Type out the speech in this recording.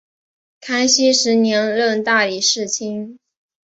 康熙十年任大理寺卿。